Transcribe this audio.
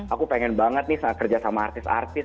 aku pengen banget nih kerja sama artis artis